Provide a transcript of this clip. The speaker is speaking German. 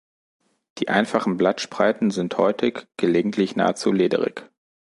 Die einfachen Blattspreiten sind häutig, gelegentlich nahezu lederig.